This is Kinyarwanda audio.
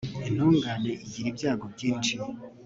intungane igira ibyago byinshi